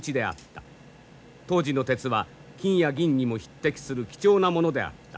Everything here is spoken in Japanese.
当時の鉄は金や銀にも匹敵する貴重なものであった。